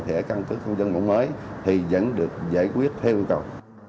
thẻ căn cước công dân mẫu mới thì vẫn được giải quyết theo yêu cầu